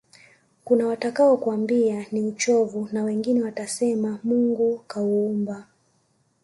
kunawatakao kwambia ni uchovu na wengine watasema mungu kauumba